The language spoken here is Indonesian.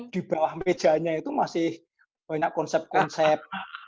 di bawah mejanya itu masih banyak konsep konsep